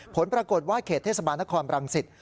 ผลปรากฏว่าเขตเทศบาลนครบรังสิต